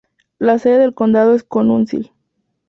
La sede del condado es Council.